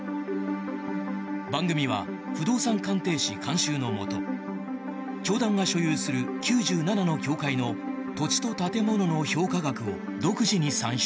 番組は不動産鑑定士監修のもと教団が所有する９７の教会の土地と建物の評価額を独自に算出。